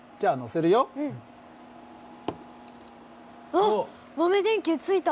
あっ豆電球ついた！